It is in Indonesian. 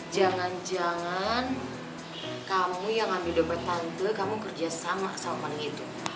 jangan jangan kamu yang ambil dompet tante kamu kerja sama salman itu